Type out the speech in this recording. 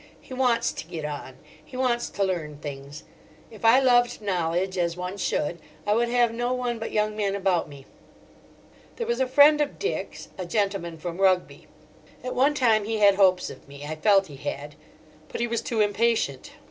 He wants to get on, he wants to learn things. If I loved knowledge as one should, I would have no one but young men about me. There was a friend of Dick's, a gentleman from Rugby. At one time he had hopes of me; I felt he had. But he was too impatient.